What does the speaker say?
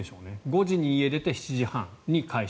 ５時に家を出て７時半に会社。